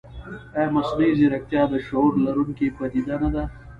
ایا مصنوعي ځیرکتیا د شعور لرونکې پدیده نه ده؟